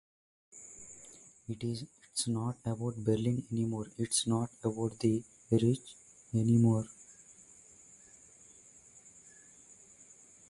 It's not about Berlin any more, it's not about the Reich any more.